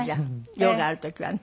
用がある時はね。